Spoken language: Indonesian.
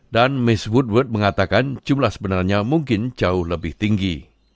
dan miss woodward mengatakan jumlah sebenarnya mungkin jauh lebih tinggi